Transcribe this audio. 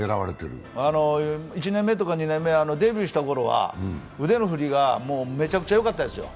１年めとか２年目とか、デビューしたころは腕の振りがめちゃくちゃよかったですよ。